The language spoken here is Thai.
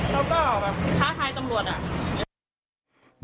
เขาก็แบบท้าทายตำรวจอะ